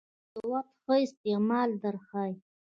ژوند د وخت ښه استعمال در ښایي .